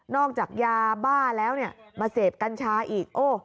จากยาบ้าแล้วมาเสพกัญชาอีก